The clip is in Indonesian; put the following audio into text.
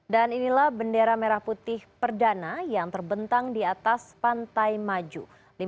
dan inilah bendera merah putih perdana yang terbentang di atas pantai maju